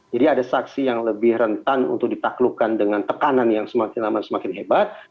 jadi ada saksi yang lebih rentan untuk ditaklukkan dengan tekanan yang semakin lama semakin hebat